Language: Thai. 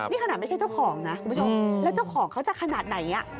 นี่ขนาดไม่ใช่เจ้าของนะคุณผู้ชมแล้วเจ้าของเขาจะขนาดไหน